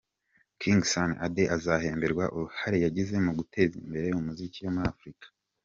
King Sunny Ade, azahemberwa uruhare yagize mu guteza imbere muzika yo muri Africa.